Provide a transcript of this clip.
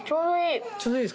ちょうどいい。